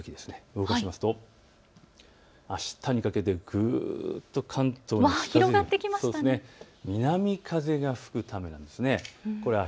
動かしますとあしたにかけてぐっと関東の空に南風が吹くためなんです。